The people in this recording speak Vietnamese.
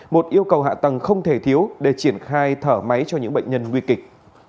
một yêu cầu hạ tầng không thể thiếu để triển khai thở máy cho những bệnh nhân nguy kịch